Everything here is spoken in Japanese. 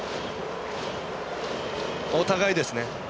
お互いですね。